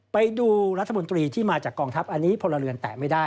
ไปดูรัฐมนตรีที่มาจากกองทัพอันนี้พลเรือนแตะไม่ได้